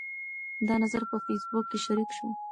دا نظر په فیسبوک کې شریک شو.